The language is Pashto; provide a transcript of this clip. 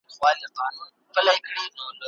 ډاډه اوسئ چې سم تیوري کارول کیږي.